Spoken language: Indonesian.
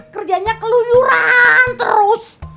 kerjanya keluyuran terus